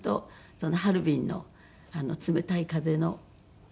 そのハルビンの冷たい風の。